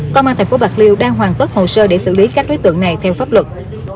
công an tp bạc liêu đang hoàn tất hồ sơ để xử lý các đối tượng này theo pháp luật